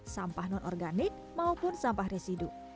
sampah non organik maupun sampah residu